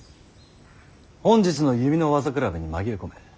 本日の弓の技競べに紛れ込め。